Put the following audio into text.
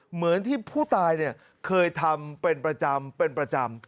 เหมือนที่ผู้ตายเคยทำเป็นประจำ